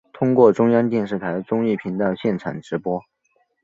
通过中央电视台综艺频道现场直播。